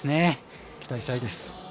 期待したいです。